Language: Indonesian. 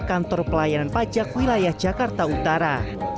kantor pelayanan pajak wilayah jakarta utara